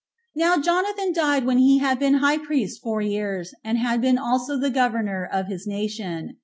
Now Jonathan died when he had been high priest four years 13 and had been also the governor of his nation.